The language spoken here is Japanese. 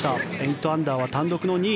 ８アンダーは単独の２位。